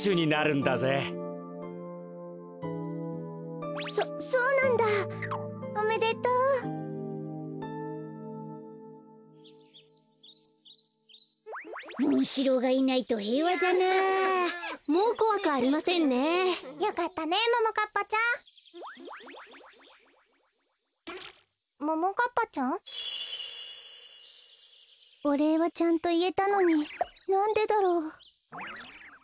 こころのこえおれいはちゃんといえたのになんでだろう？